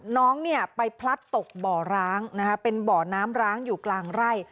น้องเนี่ยไปพลัดตกบ่อร้างนะคะเป็นบ่อน้ำร้างอยู่กลางไร่